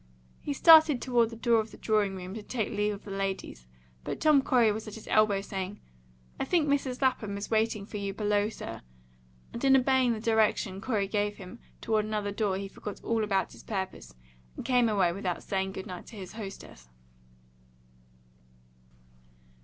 He started toward the door of the drawing room to take leave of the ladies; but Tom Corey was at his elbow, saying, "I think Mrs. Lapham is waiting for you below, sir," and in obeying the direction Corey gave him toward another door he forgot all about his purpose, and came away without saying good night to his hostess.